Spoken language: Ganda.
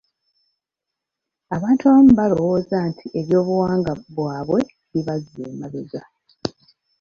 Abantu abamu balowooza nti eby'obuwangwa bwabwe bibazza emabega.